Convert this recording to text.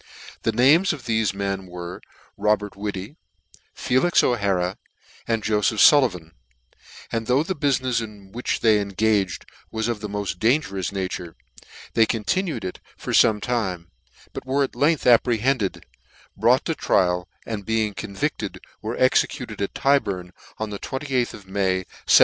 The names of thefe men were, Robert Whittv, Felix O'Hara, and Joleph Sullivan; and though the bufinefs in which they engaged was of the moft dangerous nature, yet they continued it for fome time : but were at length apprehended, brought to trial, and being convicted, were exe cuted at Tyburn on the 23th of May, 1715.